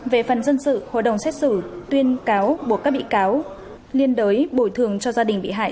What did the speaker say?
về phần dân sự hội đồng xét xử tuyên cáo buộc các bị cáo liên đới bồi thường cho gia đình bị hại